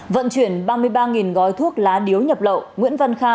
vận chuyển ba mươi ba gói thuốc lá điếu nhập lậu nguyễn văn kha